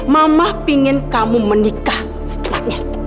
mama ingin kamu menikah secepatnya